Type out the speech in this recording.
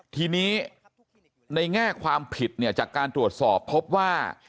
ทีนี้ในแง่ความผิดเนี่ยจากการตรวจสอบพบว่า